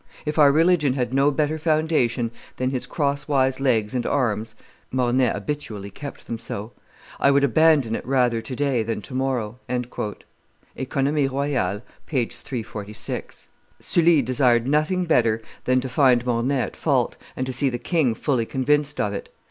If our religion had no better foundation than his crosswise legs and arms (Mornay habitually kept them so), I would abandon it rather to day than to morrow." [OEconomies royales, t. iii. p. 346.] Sully desired nothing better than to find Mornay at fault, and to see the king fully convinced of it.